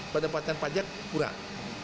pendapatan pajak kurang